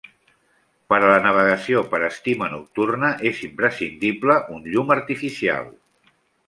Per a la navegació per estima nocturna és imprescindible un llum artificial.